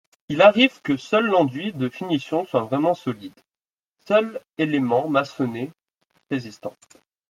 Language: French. Il arrive que seul l'enduit de finition soit vraiment solide, seul élément maçonné résistant.